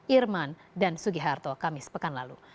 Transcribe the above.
irman dan sugiharto kamis pekan lalu